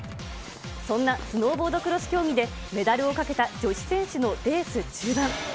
そんなスノーボードクロス競技で、メダルをかけた女子選手のレース中盤。